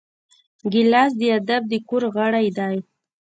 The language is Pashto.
ګیلاس د ادب د کور غړی دی.